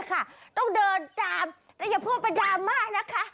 ก็เดินตามแต่อย่าพูดไปตานมากนะคะ